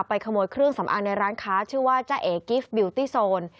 ขโมยเครื่องสำอางในร้านค้าชื่อว่าจ้าเอกิฟต์บิวตี้โซน